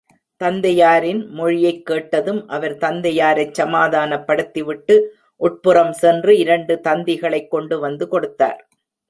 தந்தையாரின் மொழியைக்கேட்டதும், அவர் தந்தையாரைச் சமதானப்படுத்தி விட்டு, உட்புறம்சென்று இரண்டு தந்திகளைக் கொண்டு வந்து கொடுத்தார்.